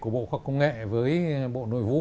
của bộ khoa học công nghệ với bộ nội vụ